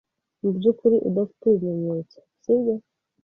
Mubyukuri udafite ibimenyetso, sibyo?